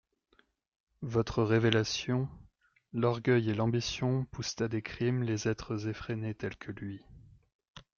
Votre révélation … L'orgueil et l'ambition poussent à des crimes les êtres effrénés tels que lui.